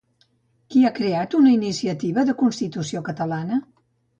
Qui ha creat una iniciativa de Constitució catalana?